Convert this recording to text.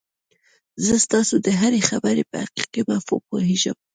زه ستاسو د هرې خبرې په حقيقي مفهوم پوهېږم.